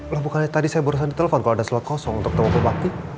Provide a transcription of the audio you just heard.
lah bukannya tadi saya borosan di telepon kalo ada slot kosong untuk ketemu pak bakti